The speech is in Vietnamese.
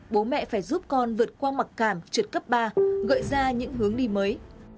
bố mẹ phải giúp con vượt qua mặc cảm trượt cấp ba gợi ra những hướng đi mới